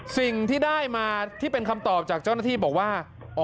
สิ่งที่ได้มาที่เป็นคำตอบจากเจ้าหน้าที่บอกว่า